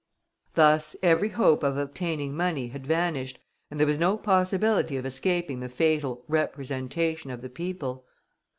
Thus every hope of obtaining money had vanished, and there was no possibility of escaping the fatal "Representation of the People."